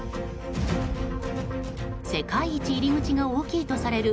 世界一入り口が大きいとされる